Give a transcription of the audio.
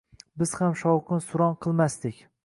Biz ham shovqin-suron qilmasdik.